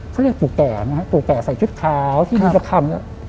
เขาเรียกปู่แก่ไหมปู่แก่ใส่ชุดขาวที่ดีกว่าคำ